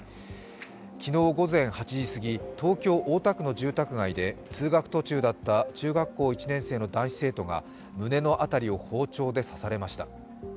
昨日午前８時すぎ、東京・大田区の住宅街で通学途中だった中学校１年生の男子生徒が胸の辺りを包丁で刺されました。